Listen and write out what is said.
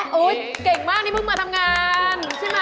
เอ๊ะอุ๊ยเก่งมากนี่เพิ่งมาทำงาน